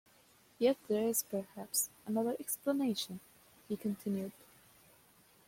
"Yet there is perhaps, another explanation," he continued.